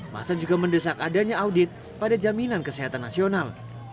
masa juga mendesak adanya audit pada jaminan kesehatan nasional